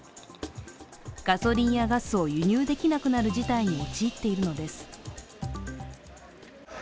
ガソリンやガスを輸入できなくなる事態に陥っているのです。